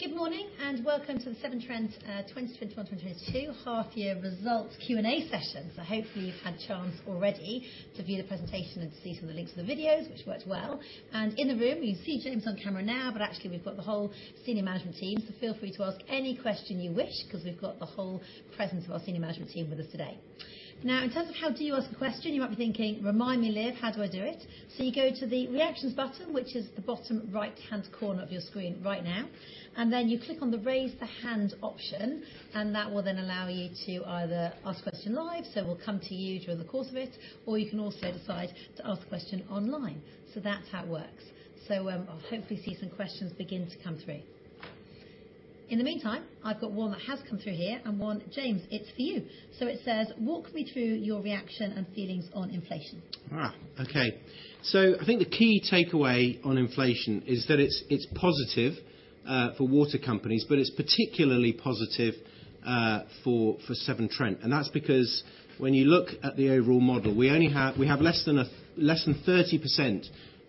Good morning, and welcome to the Severn Trent 2021, 2022 half year results Q&A session. Hopefully you've had chance already to view the presentation and see some of the links to the videos, which worked well. In the room, you see James on camera now, but actually we've got the whole senior management team. Feel free to ask any question you wish, 'cause we've got the whole presence of our senior management team with us today. Now, in terms of how do you ask a question, you might be thinking, "Remind me, Liv, how do I do it?" You go to the reactions button, which is the bottom right-hand corner of your screen right now, and then you click on the Raise Hand option, and that will then allow you to either ask a question live, so we'll come to you during the course of it, or you can also decide to ask the question online. That's how it works. I'll hopefully see some questions begin to come through. In the meantime, I've got one that has come through here, and one, James, it's for you. It says: Walk me through your reaction and feelings on inflation? I think the key takeaway on inflation is that it's positive for water companies, but it's particularly positive for Severn Trent, and that's because when you look at the overall model, we have less than 30%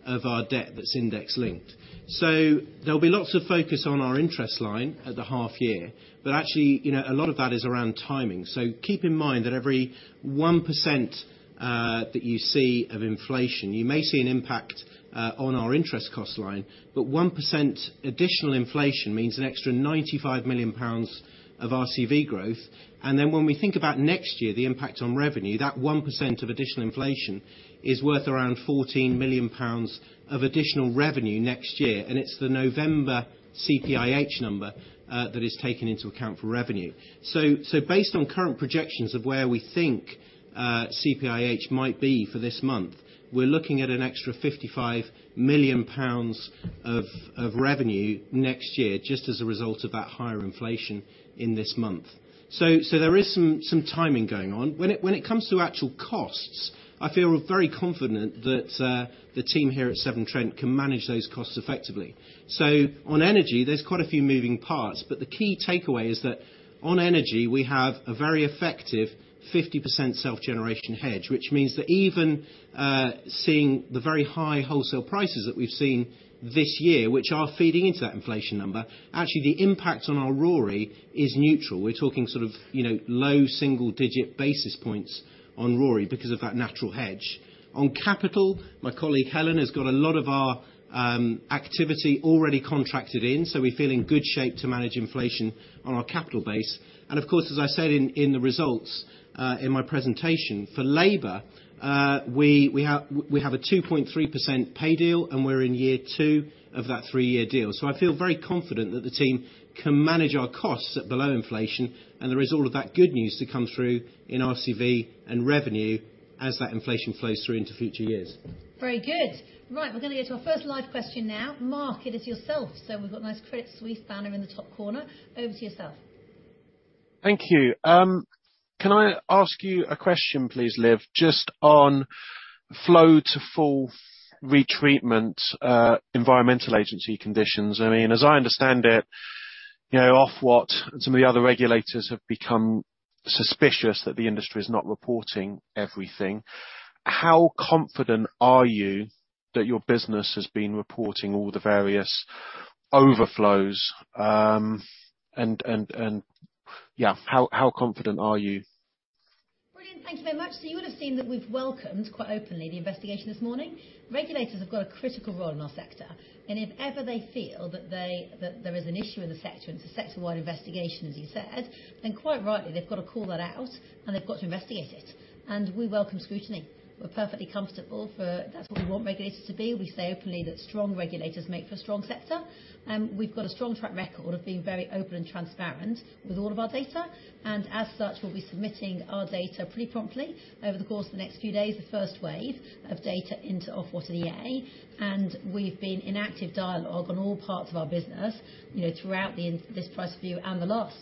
of our debt that's index-linked. There'll be lots of focus on our interest line at the half year. Actually, you know, a lot of that is around timing. Keep in mind that every 1% that you see of inflation, you may see an impact on our interest cost line, but 1% additional inflation means an extra 95 million pounds of RCV growth. Then when we think about next year, the impact on revenue, that 1% of additional inflation is worth around 14 million pounds of additional revenue next year, and it's the November CPIH number that is taken into account for revenue. Based on current projections of where we think CPIH might be for this month, we're looking at an extra 55 million pounds of revenue next year just as a result of that higher inflation in this month. There is some timing going on. When it comes to actual costs, I feel very confident that the team here at Severn Trent can manage those costs effectively. On energy, there's quite a few moving parts, but the key takeaway is that on energy, we have a very effective 50% self-generation hedge, which means that even seeing the very high wholesale prices that we've seen this year, which are feeding into that inflation number, actually the impact on our RoRE is neutral. We're talking sort of, you know, low single digit basis points on RoRE because of that natural hedge. On capital, my colleague, Helen, has got a lot of our activity already contracted in, so we feel in good shape to manage inflation on our capital base. Of course, as I said in the results in my presentation, for labor, we have a 2.3% pay deal, and we're in year two of that three-year deal. I feel very confident that the team can manage our costs at below inflation, and the result of that is good news to come through in RCV and revenue as that inflation flows through into future years. Very good. Right. We're gonna go to our first live question now. Mark, it is yourself. So we've got a nice Credit Suisse banner in the top corner. Over to yourself. Thank you. Can I ask you a question, please, Liv, just on flow to full treatment, Environment Agency conditions. I mean, as I understand it, you know, Ofwat and some of the other regulators have become suspicious that the industry is not reporting everything. How confident are you that your business has been reporting all the various overflows, and yeah, how confident are you? Brilliant. Thank you very much. You would have seen that we've welcomed, quite openly, the investigation this morning. Regulators have got a critical role in our sector. If ever they feel that there is an issue in the sector, it's a sector-wide investigation, as you said, then quite rightly, they've got to call that out, and they've got to investigate it. We welcome scrutiny. We're perfectly comfortable. That's what we want regulators to be. We say openly that strong regulators make for a strong sector. We've got a strong track record of being very open and transparent with all of our data, and as such, we'll be submitting our data pretty promptly over the course of the next few days, the first wave of data into Ofwat and EA. We've been in active dialogue on all parts of our business, you know, throughout this price review and the last.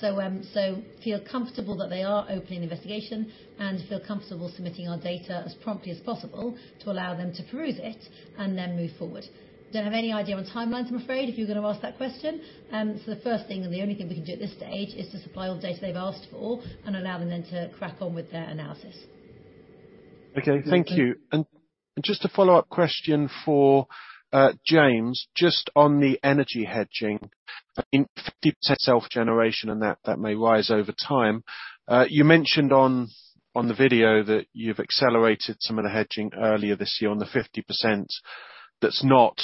Feel comfortable that they are opening the investigation and feel comfortable submitting our data as promptly as possible to allow them to peruse it and then move forward. Don't have any idea on timelines, I'm afraid, if you're gonna ask that question. The first thing and the only thing we can do at this stage is to supply all the data they've asked for and allow them then to crack on with their analysis. Okay. Thank you. Just a follow-up question for James, just on the energy hedging in self-generation, and that may rise over time. You mentioned on the video that you've accelerated some of the hedging earlier this year on the 50% that's not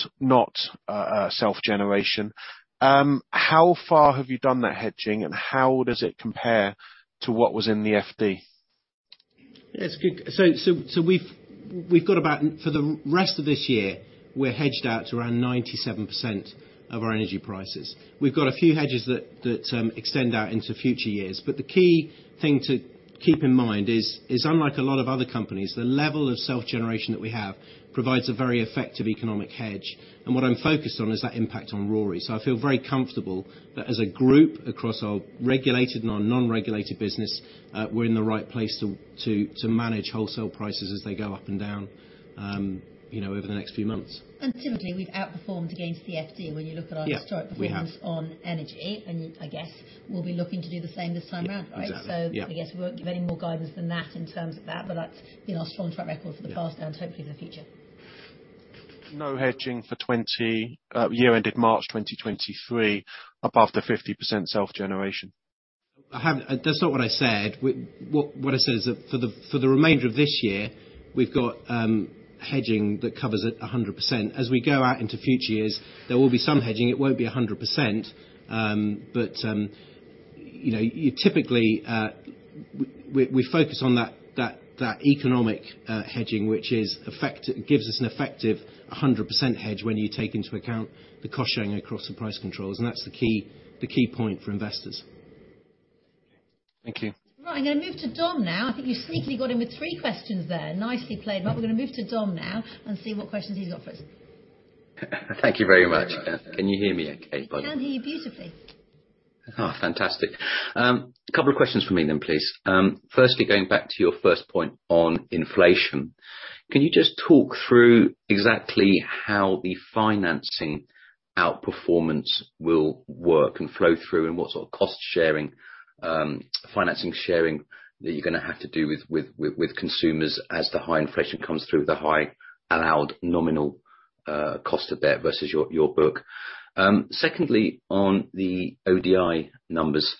self-generation. How far have you done that hedging, and how does it compare to what was in the FD? Yeah, it's good. For the rest of this year, we're hedged out to around 97% of our energy prices. We've got a few hedges that extend out into future years. The key thing to keep in mind is unlike a lot of other companies, the level of self-generation that we have provides a very effective economic hedge. What I'm focused on is that impact on RoRE. I feel very comfortable that as a group, across our regulated and our non-regulated business, we're in the right place to manage wholesale prices as they go up and down, you know, over the next few months. Typically, we've outperformed against the FD when you look at our- Yeah. We have. Historic performance on energy, and I guess we'll be looking to do the same this time around, right? Exactly, yeah. I guess we won't give any more guidance than that in terms of that, but that's been our strong track record for the past and hopefully the future. No hedging for 20-year ended March 2023 above the 50% self-generation. That's not what I said. What I said is that for the remainder of this year, we've got hedging that covers it 100%. As we go out into future years, there will be some hedging. It won't be 100%. But you know, we typically focus on that economic hedging, which gives us an effective 100% hedge when you take into account the cost sharing across the price controls, and that's the key point for investors. Thank you. Right. I'm gonna move to Dom now. I think you sneakily got in with three questions there. Nicely played, Mark. We're gonna move to Dom now and see what questions he's offered. Thank you very much. Can you hear me okay? can hear you beautifully. Oh, fantastic. A couple of questions for me then, please. Firstly, going back to your first point on inflation. Can you just talk through exactly how the financing outperformance will work and flow through, and what sort of cost sharing, financing sharing that you're gonna have to do with consumers as the high inflation comes through the high allowed nominal cost of debt versus your book. Secondly, on the ODI numbers,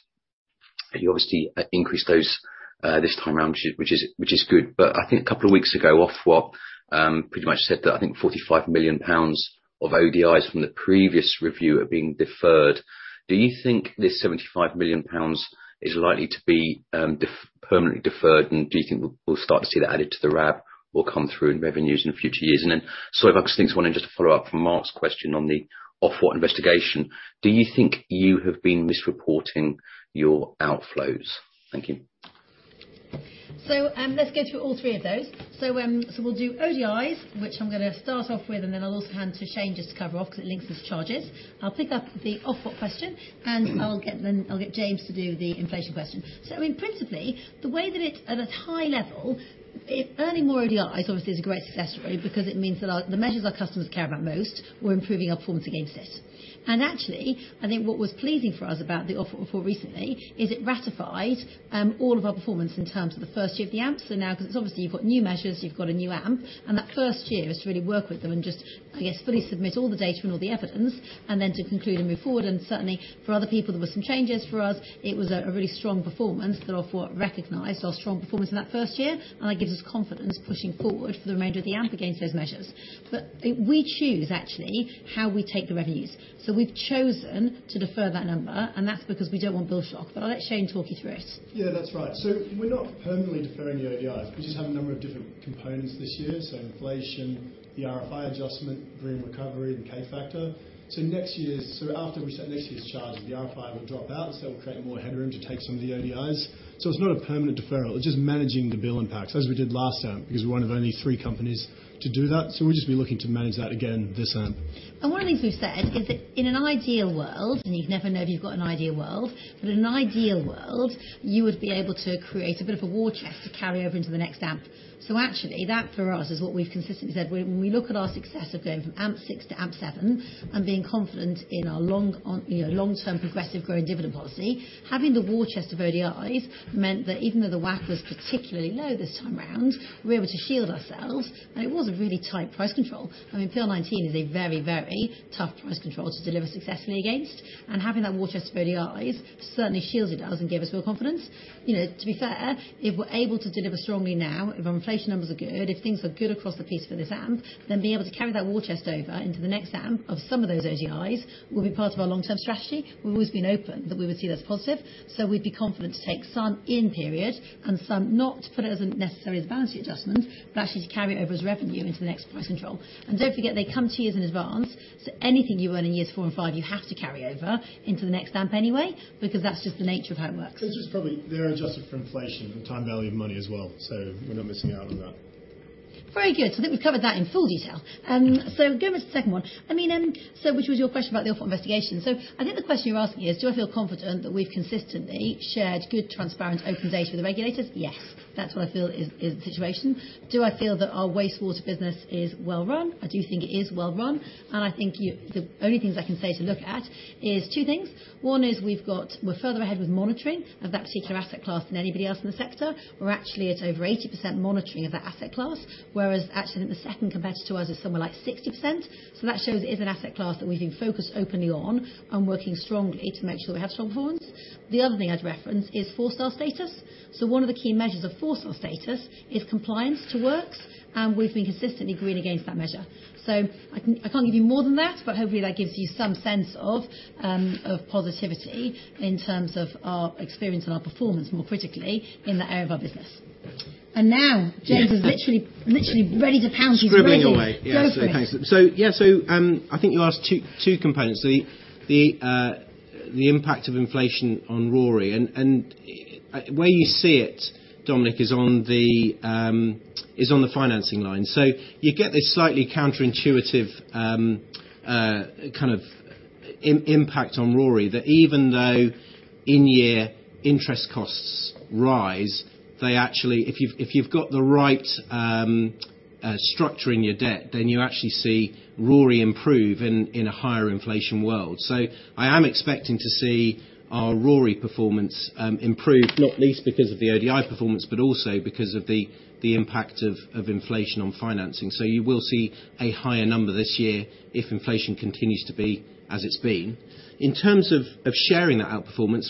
you obviously increased those this time around, which is good. I think a couple of weeks ago, Ofwat pretty much said that, I think 45 million pounds of ODIs from the previous review are being deferred. Do you think this 75 million pounds is likely to be permanently deferred, and do you think we'll start to see that added to the RCV will come through in revenues in future years? Sort of obviously just wanna follow up from Mark's question on the Ofwat investigation. Do you think you have been misreporting your outflows? Thank you. Let's go through all three of those. We'll do ODIs, which I'm gonna start off with, and then I'll also hand to Shane just to cover off because it links his charges. I'll pick up the Ofwat question, and then I'll get James to do the inflation question. In principle, the way that it's at a high level, earning more ODIs obviously is a great success story because it means that our measures our customers care about most, we're improving our performance against it. Actually, I think what was pleasing for us about the Ofwat report recently is it ratified all of our performance in terms of the first year of the AMP. Now, 'cause obviously you've got new measures, you've got a new AMP, and that first year is to really work with them and just, I guess, fully submit all the data and all the evidence, and then to conclude and move forward. Certainly for other people, there were some changes for us. It was a really strong performance that Ofwat recognized, our strong performance in that first year, and that gives us confidence pushing forward for the remainder of the AMP against those measures. We choose actually how we take the revenues. We've chosen to defer that number, and that's because we don't want bill shock. I'll let Shane talk you through it. Yeah, that's right. We're not permanently deferring the ODIs. We just have a number of different components this year. Inflation, the RFI adjustment, Green Recovery and K-factor. Next year, after we set next year's charge, the RFI will drop out, so it will create more headroom to take some of the ODIs. It's not a permanent deferral. It's just managing the bill impacts as we did last time, because we're one of only three companies to do that. We'll just be looking to manage that again this AMP. One of the things we've said is that in an ideal world, and you'd never know if you've got an ideal world, but in an ideal world, you would be able to create a bit of a war chest to carry over into the next AMP. Actually, that for us is what we've consistently said. When we look at our success of going from AMP6 to AMP7 and being confident in our long-term, you know, progressive growing dividend policy, having the war chest of ODIs meant that even though the WACC was particularly low this time around, we're able to shield ourselves. It was a really tight price control. I mean, PR19 is a very, very tough price control to deliver successfully against. Having that war chest of ODIs certainly shields us. It does and gives us more confidence. You know, to be fair, if we're able to deliver strongly now, if our inflation numbers are good, if things are good across the piece for this AMP, then being able to carry that war chest over into the next AMP of some of those ODIs will be part of our long-term strategy. We've always been open that we would see that as positive. We'd be confident to take some in period and some not to put it as a necessary as a balance sheet adjustment, but actually to carry over as revenue into the next price control. Don't forget, they come 2 years in advance. Anything you earn in years four and five, you have to carry over into the next AMP anyway because that's just the nature of how it works. They're adjusted for inflation and time value of money as well. We're not missing out on that. Very good. I think we've covered that in full detail. Going to the second one. I mean, which was your question about the Ofwat investigation. I think the question you're asking is, do I feel confident that we've consistently shared good, transparent, open data with the regulators? Yes. That's what I feel is the situation. Do I feel that our wastewater business is well-run? I do think it is well-run. I think the only things I can say to look at is two things. One is we're further ahead with monitoring of that particular asset class than anybody else in the sector. We're actually at over 80% monitoring of that asset class, whereas actually the second competitor to us is somewhere like 60%. That shows it is an asset class that we've been focused openly on and working strongly to make sure we have strong performance. The other thing I'd reference is four-star status. One of the key measures of four-star status is compliance to works, and we've been consistently green against that measure. I can, I can't give you more than that, but hopefully that gives you some sense of positivity in terms of our experience and our performance, more critically in that area of our business. Now James is literally ready to pounce. He's ready. Scribbling away. Yeah. Go for it. I think you asked two components. The impact of inflation on RoRE and where you see it, Dominic, is on the financing line. You get this slightly counterintuitive kind of impact on RoRE that even though in-year interest costs rise, they actually, if you've got the right structure in your debt, then you actually see RoRE improve in a higher inflation world. I am expecting to see our RoRE performance improve, not least because of the ODI performance, but also because of the impact of inflation on financing. You will see a higher number this year if inflation continues to be as it's been. In terms of sharing that outperformance,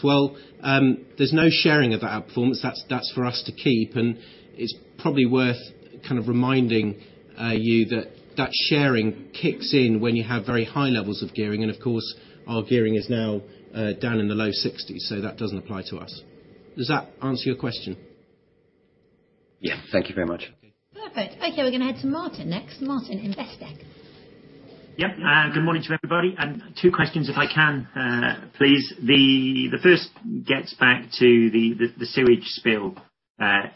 there's no sharing of that outperformance. That's for us to keep, and it's probably worth kind of reminding you that that sharing kicks in when you have very high levels of gearing, and of course, our gearing is now down in the low sixties, so that doesn't apply to us. Does that answer your question? Yeah. Thank you very much. Perfect. Okay, we're gonna head to James Martin next. Martin, Investec. Yep. Good morning to everybody, and two questions if I can, please. The first gets back to the sewage spill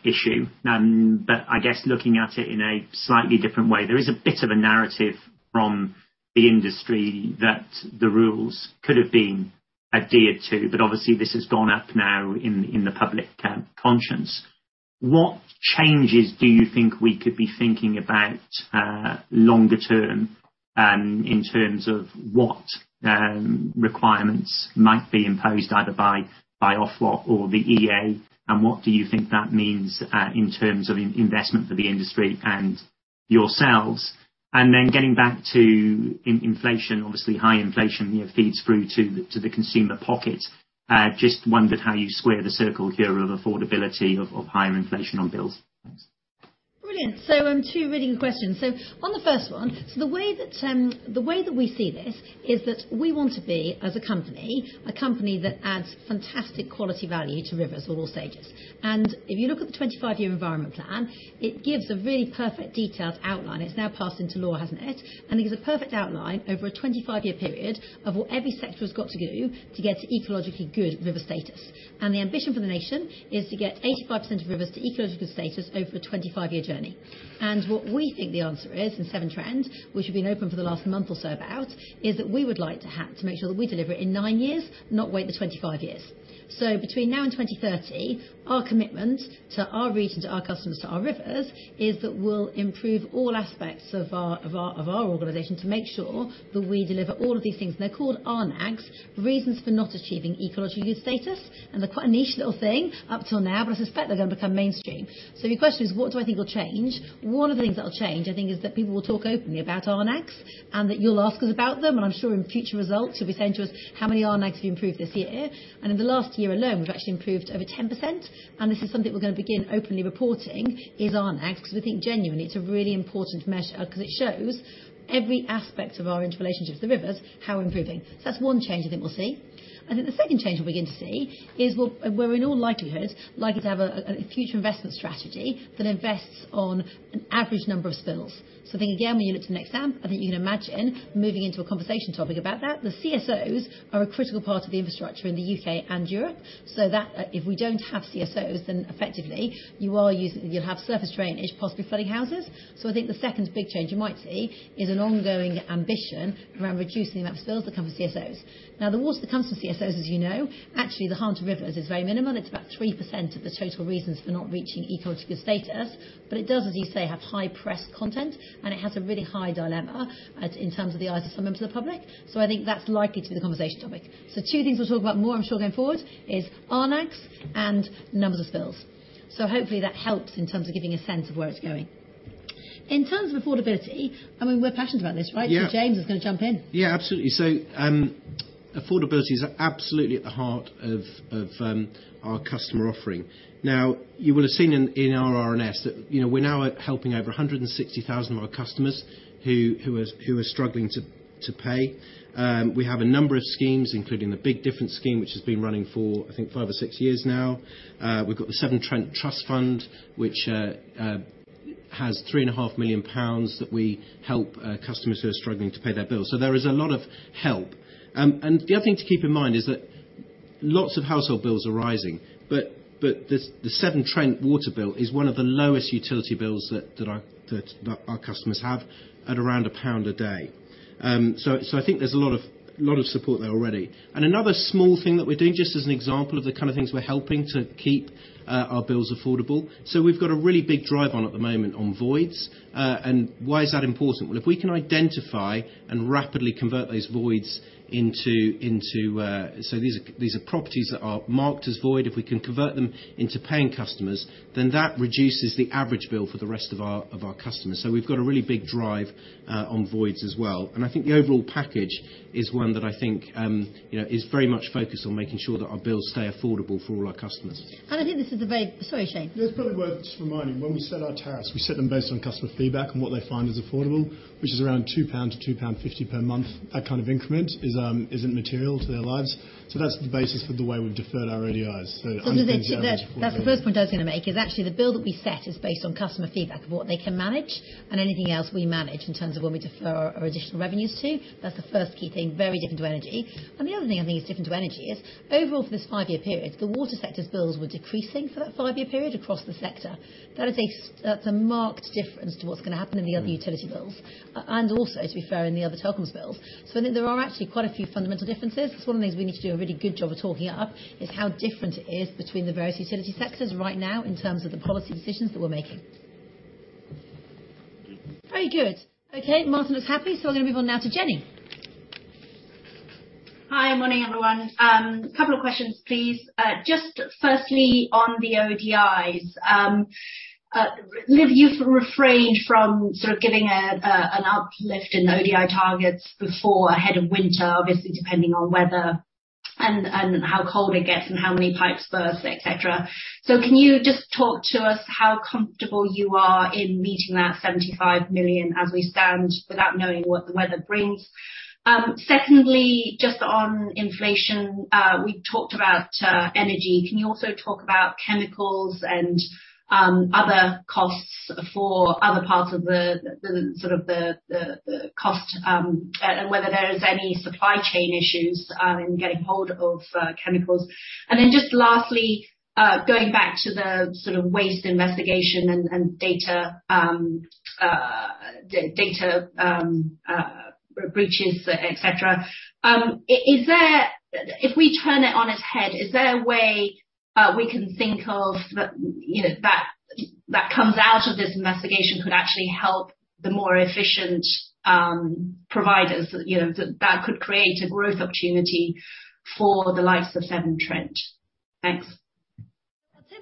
issue, but I guess looking at it in a slightly different way. There is a bit of a narrative from the industry that the rules could have been adhered to, but obviously this has gone up now in the public conscience. What changes do you think we could be thinking about longer term in terms of what requirements might be imposed either by Ofwat or the EA, and what do you think that means in terms of investment for the industry and yourselves? Getting back to inflation, obviously high inflation, you know, feeds through to the consumer pocket. Just wondered how you square the circle here of affordability of higher inflation on bills. Thanks. Brilliant. Two really good questions. On the first one, the way that we see this is that we want to be, as a company, a company that adds fantastic quality value to rivers at all stages. If you look at the 25 Year Environment Plan, it gives a really perfect detailed outline. It's now passed into law, hasn't it? It gives a perfect outline over a 25-year period of what every sector has got to do to get to ecologically good river status. The ambition for the nation is to get 85% of rivers to ecological status over a 25-year journey. What we think the answer is in Severn Trent, which has been open for the last month or so about, is that we would like to make sure that we deliver it in 9 years, not wait the 25 years. Between now and 2030, our commitment to our region, to our customers, to our rivers, is that we'll improve all aspects of our organization to make sure that we deliver all of these things. They're called RNAGs, reasons for not achieving ecological good status, and they're quite a niche little thing up till now, but I suspect they're gonna become mainstream. Your question is, what do I think will change? One of the things that will change, I think, is that people will talk openly about RNAGs, and that you'll ask us about them, and I'm sure in future results, you'll be saying to us, "How many RNAGs have you improved this year?" In the last year alone, we've actually improved over 10%. This is something we're gonna begin openly reporting is RNAGs, because we think genuinely it's a really important measure, 'cause it shows every aspect of our interrelationship with the rivers, how we're improving. That's one change I think we'll see. I think the second change we'll begin to see is we're in all likelihood likely to have a future investment strategy that invests on an average number of spills. I think again, when you look to the next AMP, I think you can imagine moving into a conversation topic about that. The CSOs are a critical part of the infrastructure in the U.K. and Europe, so that if we don't have CSOs, then effectively you'll have surface drainage, possibly flooding houses. I think the second big change you might see is an ongoing ambition around reducing the amount of spills that come from CSOs. Now, the water that comes from CSOs, as you know, actually the harm to rivers is very minimal. It's about 3% of the total reasons for not reaching ecological status. But it does, as you say, have high press interest, and it has a really high profile in terms of the eyes of some members of the public. I think that's likely to be the conversation topic. Two things we'll talk about more, I'm sure, going forward is RNAGs and numbers of spills. Hopefully that helps in terms of giving a sense of where it's going. In terms of affordability, I mean, we're passionate about this, right? Yeah. James is gonna jump in. Yeah, absolutely. Affordability is absolutely at the heart of our customer offering. Now, you will have seen in our RNS that, you know, we're now at helping over 160,000 of our customers who are struggling to pay. We have a number of schemes, including the Big Difference Scheme, which has been running for, I think, five or six years now. We've got the Severn Trent Trust Fund, which has 3.5 million pounds that we help customers who are struggling to pay their bills. There is a lot of help. The other thing to keep in mind is that lots of household bills are rising, but the Severn Trent water bill is one of the lowest utility bills that our customers have at around GBP 1 a day. I think there's a lot of support there already. Another small thing that we're doing, just as an example of the kind of things we're helping to keep our bills affordable. We've got a really big drive on at the moment on voids. Why is that important? Well, if we can identify and rapidly convert those voids into, these are properties that are marked as void, paying customers, then that reduces the average bill for the rest of our customers. We've got a really big drive on voids as well. I think the overall package is one that I think, you know, is very much focused on making sure that our bills stay affordable for all our customers. Sorry, Shane. It's probably worth just reminding, when we set our tariffs, we set them based on customer feedback and what they find is affordable, which is around 2-2.50 pound per month. That kind of increment isn't material to their lives. That's the basis for the way we've deferred our ODIs. 100%- Understood. That's the first point I was gonna make, is actually the bill that we set is based on customer feedback of what they can manage, and anything else we manage in terms of when we defer our additional revenues to. That's the first key thing, very different to energy. The other thing I think is different to energy is overall for this five-year period, the water sector's bills were decreasing for that five-year period across the sector. That's a marked difference to what's gonna happen in the other utility bills, and also, to be fair, in the other telecoms bills. I think there are actually quite a few fundamental differences. That's one of the things we need to do a really good job of talking up, is how different it is between the various utility sectors right now in terms of the policy decisions that we're making. Very good. Okay, Martin is happy. I'm gonna move on now to Jenny. Hi, morning, everyone. A couple of questions, please. Just firstly on the ODIs. Liv, you've refrained from sort of giving an uplift in ODI targets before ahead of winter, obviously depending on weather and how cold it gets and how many pipes burst, et cetera. Can you just talk to us how comfortable you are in meeting that 75 million as we stand without knowing what the weather brings? Secondly, just on inflation, we talked about energy. Can you also talk about chemicals and other costs for other parts of the sort of the cost and whether there is any supply chain issues in getting hold of chemicals? Then just lastly, going back to the sort of waste investigation and data breaches, et cetera. If we turn it on its head, is there a way we can think of that, you know, that comes out of this investigation could actually help the more efficient providers that, you know, that could create a growth opportunity for the likes of Severn Trent? Thanks.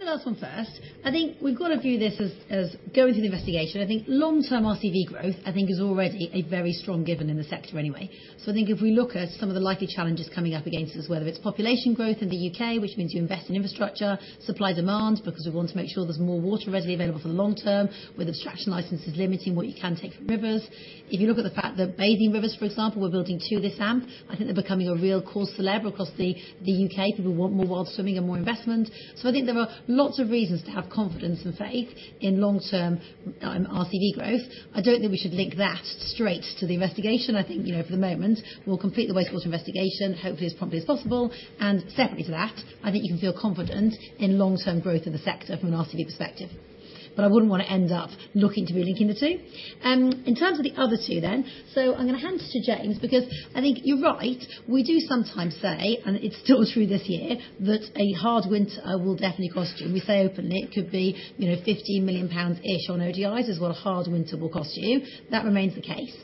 I'll take the last one first. I think we've got to view this as going through the investigation. I think long-term RCV growth, I think is already a very strong given in the sector anyway. I think if we look at some of the likely challenges coming up against us, whether it's population growth in the U.K., which means you invest in infrastructure, supply-demand, because we want to make sure there's more water readily available for the long term, with abstraction licenses limiting what you can take from rivers. If you look at the fact that bathing rivers, for example, we're building to this AMP, I think they're becoming a real cause célèbre across the U.K. People want more wild swimming and more investment. I think there are lots of reasons to have confidence and faith in long-term RCV growth. I don't think we should link that straight to the investigation. I think, you know, for the moment, we'll complete the wastewater investigation, hopefully as promptly as possible. Separately to that, I think you can feel confident in long-term growth of the sector from an RCV perspective. I wouldn't wanna end up looking to be linking the two. In terms of the other two then, I'm gonna hand to James because I think you're right. We do sometimes say, and it's still true this year, that a hard winter will definitely cost you. We say openly, it could be, you know, 50 million-ish on ODIs is what a hard winter will cost you. That remains the case.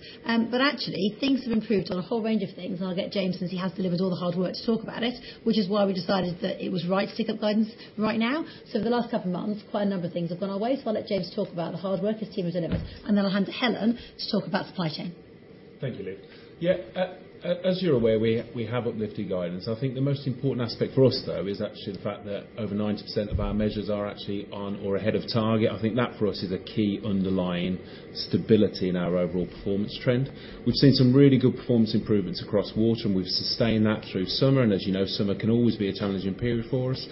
Actually, things have improved on a whole range of things. I'll get James since he has delivered all the hard work to talk about it, which is why we decided that it was right to stick to guidance right now. Over the last couple of months, quite a number of things have gone our way. I'll let James talk about the hard work his team has delivered, and then I'll hand to Helen to talk about supply chain. Thank you, Liv. Yeah, as you're aware, we have uplifted guidance. I think the most important aspect for us, though, is actually the fact that over 90% of our measures are actually on or ahead of target. I think that for us is a key underlying stability in our overall performance trend. We've seen some really good performance improvements across water, and we've sustained that through summer. As you know, summer can always be a challenging period for us.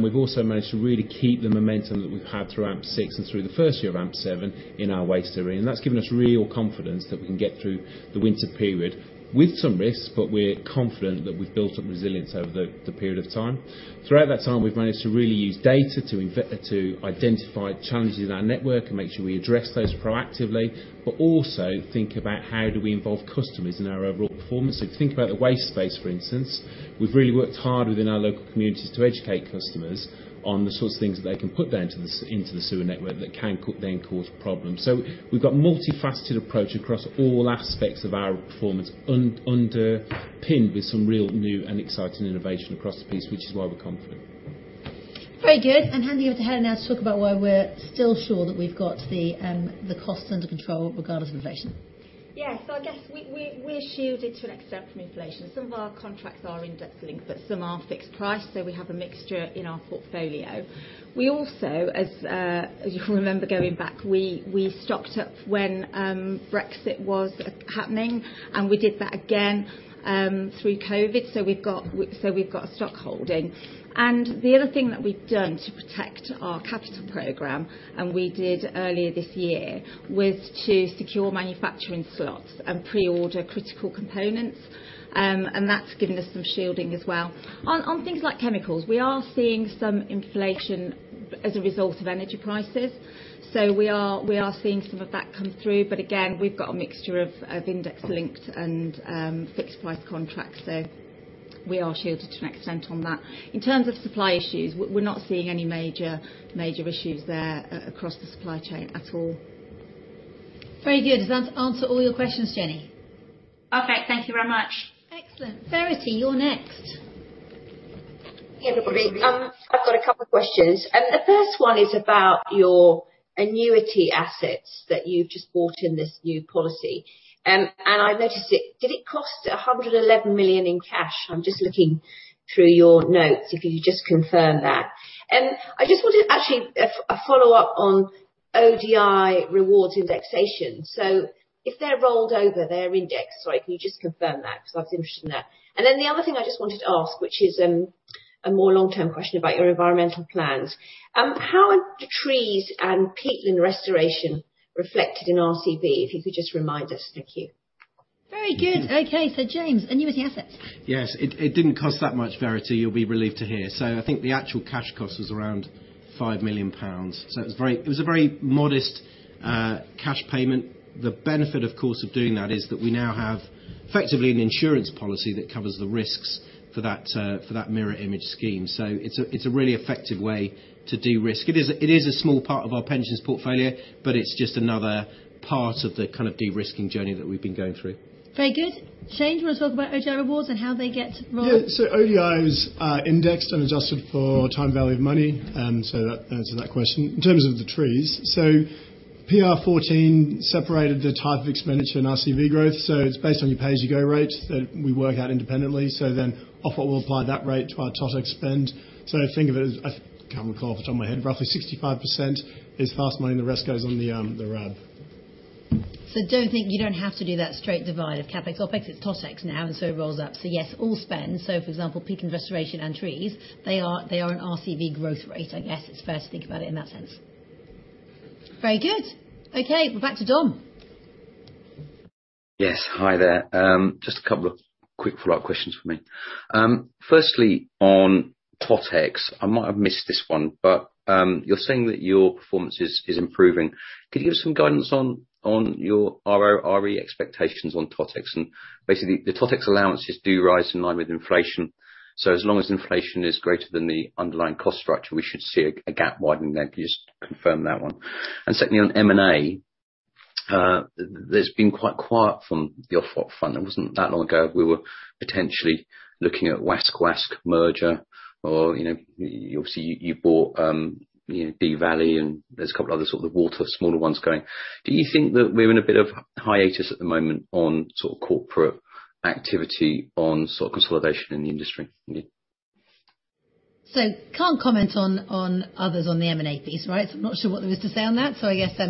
We've also managed to really keep the momentum that we've had through AMP six and through the first year of AMP seven in our waste area. That's given us real confidence that we can get through the winter period with some risks, but we're confident that we've built up resilience over the period of time. Throughout that time, we've managed to really use data to identify challenges in our network and make sure we address those proactively, but also think about how do we involve customers in our overall performance. If you think about the wastewater space, for instance, we've really worked hard within our local communities to educate customers on the sorts of things that they can put down into the sewer network that can then cause problems. We've got multifaceted approach across all aspects of our performance, underpinned with some real new and exciting innovation across the piece, which is why we're confident. Very good. I'm handing over to Helen now to talk about why we're still sure that we've got the costs under control regardless of inflation. Yeah. I guess we're shielded to an extent from inflation. Some of our contracts are index-linked, but some are fixed-price, so we have a mixture in our portfolio. We also, as you remember going back, we stocked up when Brexit was happening, and we did that again through COVID. So we've got a stockholding. The other thing that we've done to protect our capital program, and we did earlier this year, was to secure manufacturing slots and pre-order critical components. That's given us some shielding as well. On things like chemicals, we are seeing some inflation as a result of energy prices. So we are seeing some of that come through. But again, we've got a mixture of index-linked and fixed-price contracts. We are shielded to an extent on that. In terms of supply issues, we're not seeing any major issues there across the supply chain at all. Very good. Does that answer all your questions, Jenny? Perfect. Thank you very much. Excellent. Verity, you're next. Yeah, good morning. I've got a couple of questions. The first one is about your annuity assets that you've just bought in this new policy. And I noticed it. Did it cost 111 million in cash? I'm just looking through your notes, if you just confirm that. I just wanted actually a follow-up on ODI rewards indexation. So if they're rolled over, they're indexed, right? Can you just confirm that? Because I was interested in that. The other thing I just wanted to ask, which is, a more long-term question about your environmental plans. How are the trees and peatland restoration reflected in RCV, if you could just remind us. Thank you. Very good. Okay, James, annuity assets. Yes. It didn't cost that much, Verity. You'll be relieved to hear. I think the actual cash cost is around 5 million pounds. It was a very modest cash payment. The benefit, of course, of doing that is that we now have effectively an insurance policy that covers the risks for that mirror image scheme. It's a really effective way to de-risk. It is a small part of our pensions portfolio, but it's just another part of the kind of de-risking journey that we've been going through. Very good. James, you wanna talk about ODI rewards and how they get rolled? Yeah. ODIs are indexed and adjusted for time value of money. That answers that question. In terms of the trees. PR14 separated the type of expenditure in RCV growth. It's based on your pay-as-you-go rate that we work out independently. Ofwat will apply that rate to our totex spend. Think of it as I can't recall off the top of my head. Roughly 65% is fast money, and the rest goes on the RAB. Don't think you don't have to do that straight divide of CapEx/OpEx. It's TotEx now, and so it rolls up. Yes, all spend. For example, peak and restoration and trees, they are an RCV growth rate. I guess it's fair to think about it in that sense. Very good. Okay, we're back to Dom. Yes. Hi there. Just a couple of quick follow-up questions for me. Firstly, on totex, I might have missed this one, but you're saying that your performance is improving. Could you give some guidance on your RoRE expectations on totex? Basically, the totex allowances do rise in line with inflation. As long as inflation is greater than the underlying cost structure, we should see a gap widening there. Can you just confirm that one? Secondly, on M&A, there's been quite quiet from the Ofwat front. It wasn't that long ago, we were potentially looking at WASC/WASC merger or, you know, obviously you bought, you know, Dee Valley and there's a couple other sort of water, smaller ones going. Do you think that we're in a bit of hiatus at the moment on sort of corporate activity on sort of consolidation in the industry? Yeah. Can't comment on others on the M&A piece, right? I'm not sure what there is to say on that. I guess,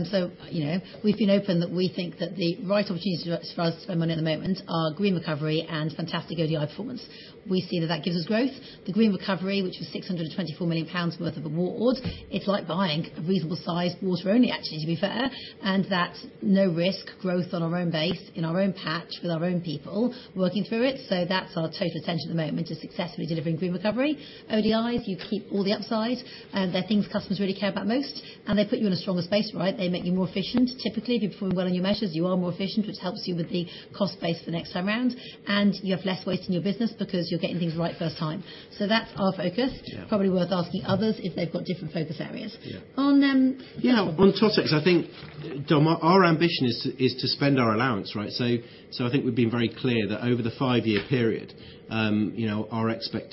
you know, we've been open that we think that the right opportunities for us to spend money at the moment are Green Recovery and fantastic ODI performance. We see that gives us growth. The Green Recovery, which was 624 million pounds worth of award, it's like buying a reasonable sized Water Only, actually, to be fair, and that's no risk growth on our own base, in our own patch with our own people working through it. That's our total attention at the moment, is successfully delivering Green Recovery. ODIs, you keep all the upside. They're things customers really care about most, and they put you in a stronger space, right? They make you more efficient. Typically, if you're performing well on your measures, you are more efficient, which helps you with the cost base the next time around, and you have less waste in your business because you're getting things right first time. That's our focus. Yeah. Probably worth asking others if they've got different focus areas. Yeah. On um- Yeah. On TotEx, I think, Dom, our ambition is to spend our allowance, right? I think we've been very clear that over the five-year period, you know,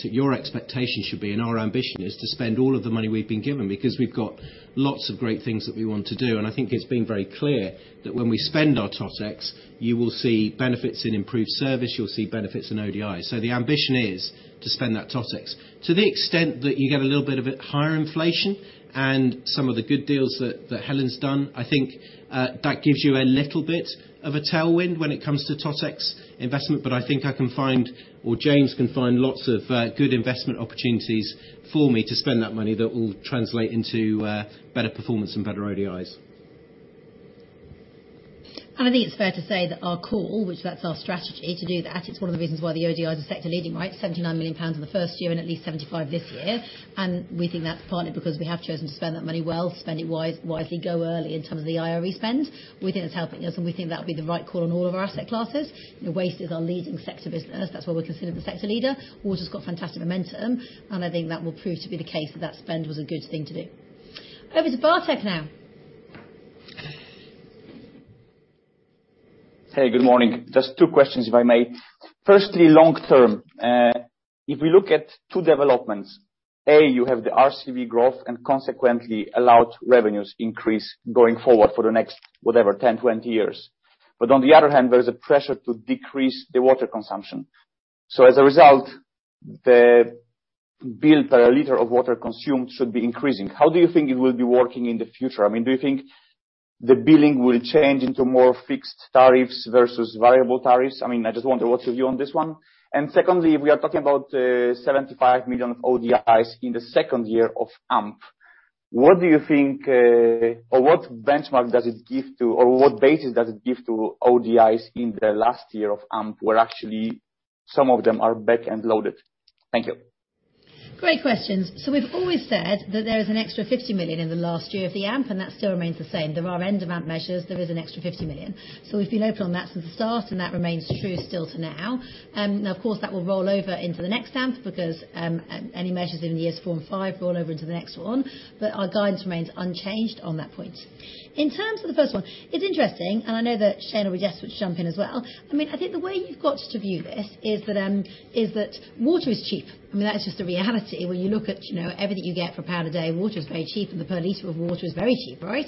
your expectation should be, and our ambition is to spend all of the money we've been given because we've got lots of great things that we want to do. I think it's been very clear that when we spend our TotEx, you will see benefits in improved service, you'll see benefits in ODIs. So the ambition is to spend that TotEx. To the extent that you get a little bit of a higher inflation and some of the good deals that Helen's done, I think, that gives you a little bit of a tailwind when it comes to TotEx investment. I think I can find, or James can find lots of good investment opportunities for me to spend that money that will translate into better performance and better ODIs. I think it's fair to say that our call, which that's our strategy to do that, it's one of the reasons why the ODI is a sector-leading, right? 79 million pounds in the first year and at least 75 million this year. We think that's partly because we have chosen to spend that money well, spend it wisely, go early in terms of the IRE spend. We think it's helping us, and we think that'll be the right call on all of our asset classes. You know, waste is our leading sector business. That's why we're considered the sector leader. Water's got fantastic momentum, and I think that will prove to be the case that that spend was a good thing to do. Over to Bartek now. Hey, good morning. Just two questions, if I may. Firstly, long-term. If we look at two developments: A, you have the RCV growth and consequently allowed revenues increase going forward for the next, whatever, 10, 20 years. On the other hand, there is a pressure to decrease the water consumption. As a result, the bill per liter of water consumed should be increasing. How do you think it will be working in the future? I mean, do you think the billing will change into more fixed tariffs versus variable tariffs? I mean, I just wonder what's your view on this one. Secondly, we are talking about 75 million of ODIs in the second year of AMP. What do you think, or what benchmark does it give to or what basis does it give to ODIs in the last year of AMP, where actually some of them are back-end loaded? Thank you. Great questions. We've always said that there is an extra 50 million in the last year of the AMP, and that still remains the same. There are end amount measures. There is an extra 50 million. We've been open on that since the start, and that remains true still to now. Now, of course, that will roll over into the next AMP because any measures in years four and five roll over into the next one, but our guidance remains unchanged on that point. In terms of the first one, it's interesting, and I know that Shane would just jump in as well. I mean, I think the way you've got to view this is that is that water is cheap. I mean, that's just the reality. When you look at, you know, everything you get for GBP 1 a day, water is very cheap, and the per liter of water is very cheap, right?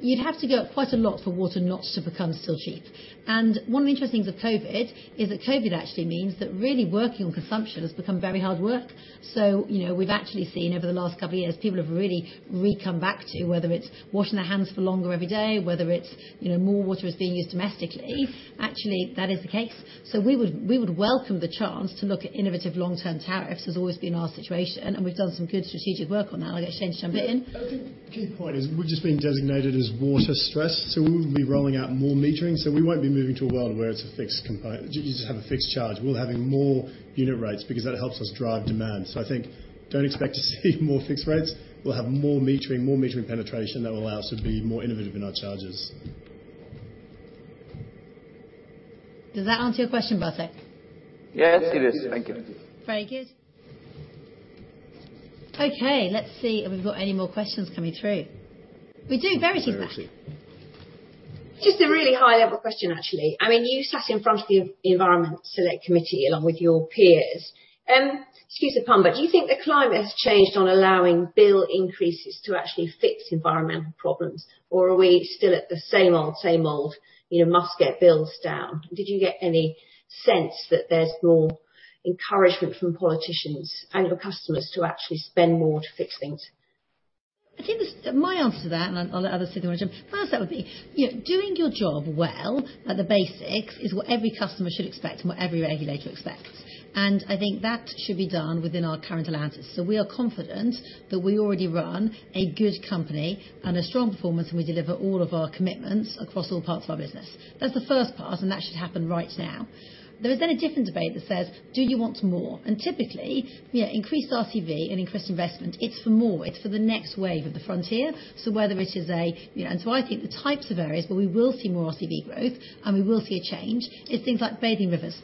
You'd have to go up quite a lot for water not to become still cheap. One of the interesting things with COVID is that COVID actually means that really working on consumption has become very hard work. You know, we've actually seen over the last couple of years, people have really come back to whether it's washing their hands for longer every day, whether it's, you know, more water is being used domestically. Actually, that is the case. We would welcome the chance to look at innovative long-term tariffs. That's always been our situation, and we've done some good strategic work on that. I'll get Shane to jump in. I think key point is we're just being designated as water stressed, so we'll be rolling out more metering, so we won't be moving to a world where you just have a fixed charge. We'll have more unit rates because that helps us drive demand. I think don't expect to see more fixed rates. We'll have more metering, more metering penetration that will allow us to be more innovative in our charges. Does that answer your question, Bartek? Yeah, it does. Thank you. Very good. Okay, let's see if we've got any more questions coming through. We do. Verity's back. Just a really high level question, actually. I mean, you sat in front of the Environment Select Committee along with your peers. Excuse the pun, but do you think the climate has changed on allowing bill increases to actually fix environmental problems? Or are we still at the same old, same old, you know, must get bills down? Did you get any sense that there's more encouragement from politicians and your customers to actually spend more to fix things? I think my answer to that, and I'll let others say if they want to jump. First, that would be, you know, doing your job well at the basics is what every customer should expect and what every regulator expects. I think that should be done within our current allowances. We are confident that we already run a good company and a strong performance, and we deliver all of our commitments across all parts of our business. That's the first part, and that should happen right now. There is then a different debate that says, "Do you want more?" Typically, you know, increased RCV and increased investment, it's for more, it's for the next wave at the frontier. Whether it is a, you know... I think the types of areas where we will see more RCV growth and we will see a change is things like bathing rivers.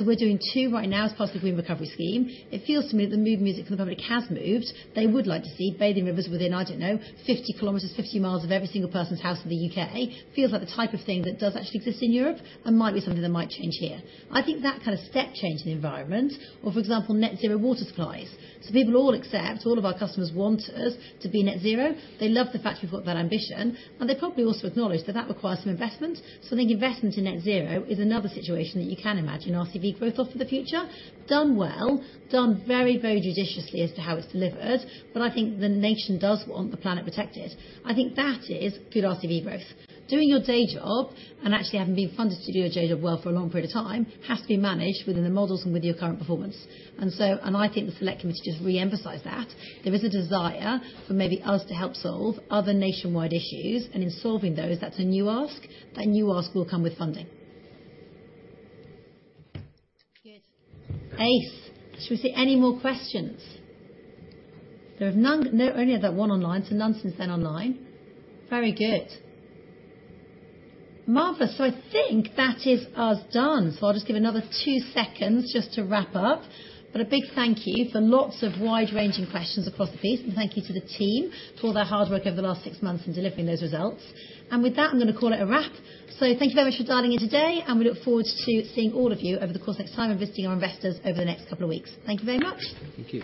We're doing two right now as part of the Green Economic Recovery. It feels to me that the mood music for the public has moved. They would like to see bathing rivers within, I don't know, 50 kilometers, 50 miles of every single person's house in the U.K. Feels like the type of thing that does actually exist in Europe and might be something that might change here. I think that kind of step change in the environment or, for example, net zero water supplies. People all accept, all of our customers want us to be net zero. They love the fact we've got that ambition, and they probably also acknowledge that that requires some investment. I think investment in net zero is another situation that you can imagine RCV growth off of the future. Done well, done very, very judiciously as to how it's delivered, but I think the nation does want the planet protected. I think that is good RCV growth. Doing your day job and actually having been funded to do your day job well for a long period of time has to be managed within the models and with your current performance. I think the select committee just re-emphasized that. There is a desire for maybe us to help solve other nationwide issues, and in solving those, that's a new ask. That new ask will come with funding. Good. Ace. Shall we see any more questions? No, only had that one online, so none since then online. Very good. Marvellous. I think that is us done. I'll just give another two seconds just to wrap up. A big thank you for lots of wide-ranging questions across the piece. Thank you to the team for all their hard work over the last six months in delivering those results. With that, I'm gonna call it a wrap. Thank you very much for dialing in today, and we look forward to seeing all of you over the course of next time and visiting our investors over the next couple of weeks. Thank you very much. Thank you.